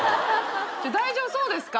大丈夫そうですか？